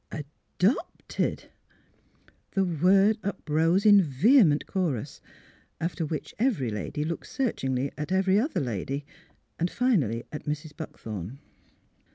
"Adopted! " The word uprose in vehement chorus. After which every lady looked searchingly at every other lady, and finally at Mrs. Buckthorn.